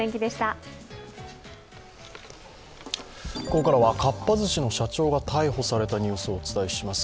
ここからはかっぱ寿司の社長が逮捕されたニュースをお伝えします。